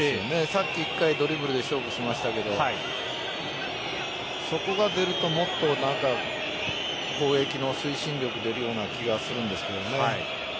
さっき１回ドリブルで勝負しましたがそこが出るともっと攻撃の推進力が出るような気がするんですけどね。